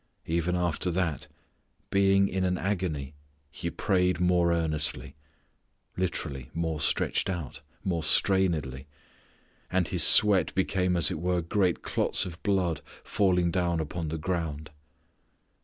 Even after that "being in an agony He prayed more earnestly (literally, more stretched out, more strainedly) and His sweat became as it were great clots of blood falling down upon the ground."